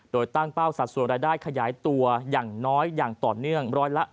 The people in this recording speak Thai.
โดยตั้งเป้าสัดส่วนรายได้ขยายตัวอย่างน้อยอย่างต่อเนื่อง๑๐